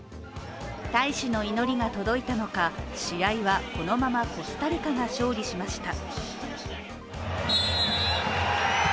大使の祈りが届いたのか、試合はこのままコスタリカが勝利しました。